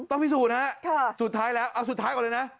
พิสูจนฮะสุดท้ายแล้วเอาสุดท้ายก่อนเลยนะ